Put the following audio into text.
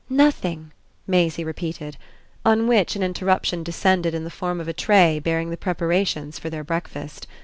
"Nothing," Maisie repeated; on which an interruption descended in the form of a tray bearing the preparations for their breakfast.